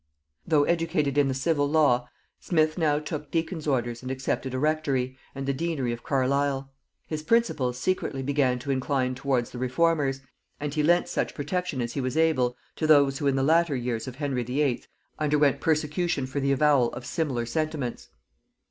Though educated in the civil law, Smith now took deacon's orders and accepted a rectory, and the deanery of Carlisle. His principles secretly began to incline towards the reformers, and he lent such protection as he was able to those who in the latter years of Henry VIII. underwent persecution for the avowal of similar sentiments.